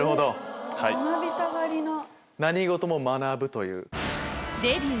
何事も学ぶという。